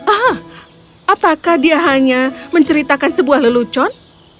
ah apakah dia hanya menceritakan sebuah lelucon